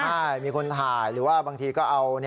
ใช่มีคนถ่ายหรือว่าบางทีก็เอา